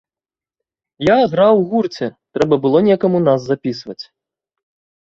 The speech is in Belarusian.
Я граў у гурце, трэба было некаму нас запісваць.